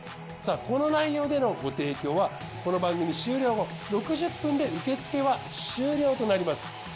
さぁこの内容でのご提供はこの番組終了後６０分で受付は終了となります。